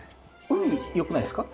うによくないですか？